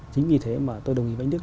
chính vì thế mà tôi đồng ý với anh đức